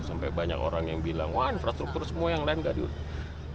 sampai banyak orang yang bilang wah infrastruktur semua yang lain gak diurus